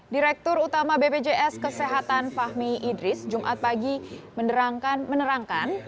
direktur utama bpjs kesehatan fahmi idris jumat pagi menerangkan